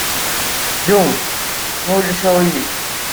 Ddut, ma ulac aɣilif.